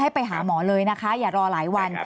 ไปหาหมอเลยนะคะอย่ารอหลายวัน